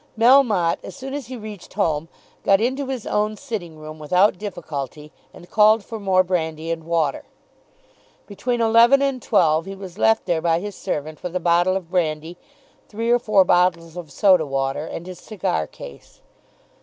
Melmotte as soon as he reached home got into his own sitting room without difficulty, and called for more brandy and water. Between eleven and twelve he was left there by his servant with a bottle of brandy, three or four bottles of soda water, and his cigar case.